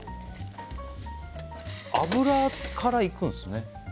油からいくんですね。